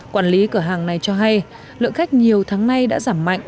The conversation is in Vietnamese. quản lý cửa hàng này cho hay lượng khách nhiều tháng nay đã giảm mạnh